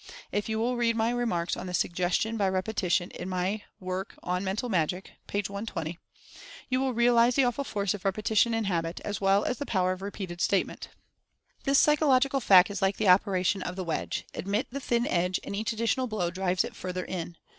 If you will read the remarks on "Suggestion by Repetition" in my work on "Mental Magic" (page 120) you will realize the awful force of repetition and habit, as well as the power of repeated statement. This psychological fact is like the operation of the wedge — admit the thin edge, and each additional blow drives it further in.